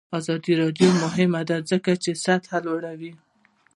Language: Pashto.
آزاد تجارت مهم دی ځکه چې سطح لوړوي.